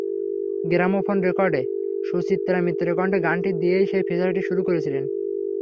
Gramophone রেকর্ডে সুচিত্রা মিত্রের কণ্ঠে গানটি দিয়েই সেই ফিচারটি শুরু করেছিলাম।